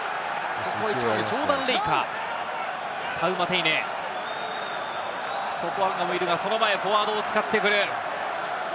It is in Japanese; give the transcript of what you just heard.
ジョーダン・レイか、タウマテイネ、ソポアンガもいるが、フォワードを使ってくる。